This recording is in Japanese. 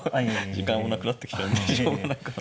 時間もなくなってきちゃうんでしょうがないかな。